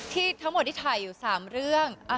ทั้งหมดที่ถ่ายอยู่๓เรื่อง